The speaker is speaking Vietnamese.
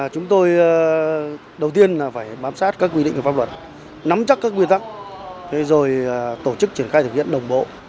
chúng tôi đầu tiên là phải bám sát các quy định của pháp luật nắm chắc các nguyên tắc rồi tổ chức triển khai thực hiện đồng bộ